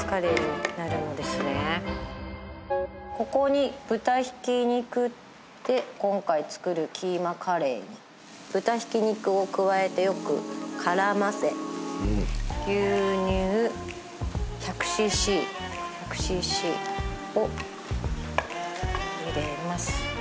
ここに豚ひき肉で今回作るキーマカレーに豚ひき肉を加えてよく絡ませ牛乳１００ｃｃ１００ｃｃを入れます